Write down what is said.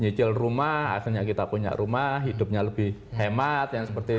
nyicil rumah akhirnya kita punya rumah hidupnya lebih hemat yang seperti itu ya